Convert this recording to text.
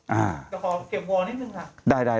แต่ขอเก็บวอลนิดหนึ่งค่ะ